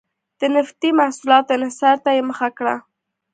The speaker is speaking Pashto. د نفتي محصولاتو انحصار ته یې مخه کړه.